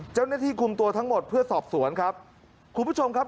เจ้าหน้าที่คุมตัวทั้งหมดเพื่อสอบสวนครับคุณผู้ชมครับ